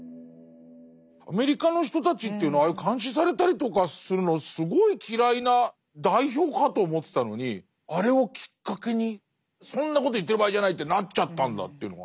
アメリカの人たちというのはああいう監視されたりとかするのすごい嫌いな代表かと思ってたのにあれをきっかけにそんなこと言ってる場合じゃないってなっちゃったんだというのは。